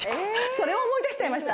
それを思い出しちゃいました。